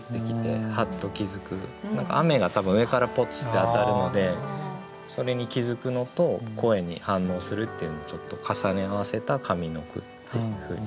何か雨が多分上からポツッて当たるのでそれに気付くのと声に反応するっていうのをちょっと重ね合わせた上の句っていうふうにしてみました。